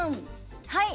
はい。